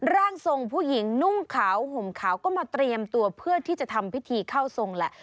ร่างทรงผู้หญิงนุ่งขาวห่มขาวก็มาเตรียมตัวเพื่อที่จะทำพิธีเข้าทรงแหละ